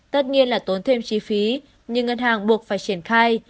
tất nhiên là tốn thêm chi phí nhưng ngân hàng buộc phải triển khai